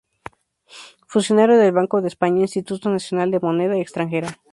Funcionario del Banco de España, Instituto Nacional de Moneda Extranjera.